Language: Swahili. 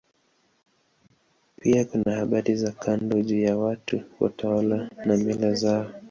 Pia kuna habari za kando juu ya watu, watawala na mila zao.